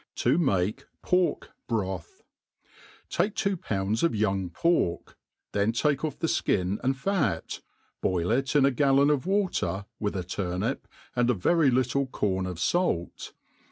To make Pork Brotb. TAKE two pounds of young pork ; then take off the fkln and fat, boil it in a gallon of watery with a turnip, and a very little corn of fait.